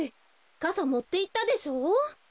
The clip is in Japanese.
かさもっていったでしょ？